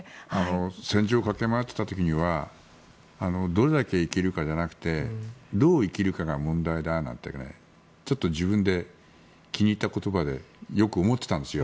戦場を駆け回っていた時にはどれだけ生きるかじゃなくてどう生きるかが問題だなんてちょっと自分で気に入った言葉でよく思ってたんですよ。